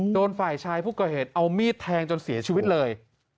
โดนฝ่ายชายผู้ก่อเหตุเอามีดแทงจนเสียชีวิตเลย